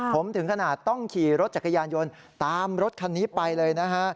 ผมถึงขนาดต้องขี่รถจักรยานยนต์ตามรถคันนี้ไปเลยนะฮะ